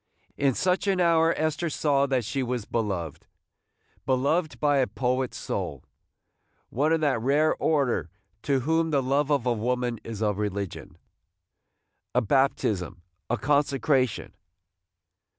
In such an hour Esther saw that she was beloved! – beloved by a poet soul, – one of that rare order to whom the love of woman is a religion! – a baptism! – a consecration!